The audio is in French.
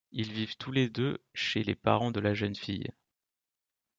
Ils vivent tous les deux chez les parents de la jeune fille.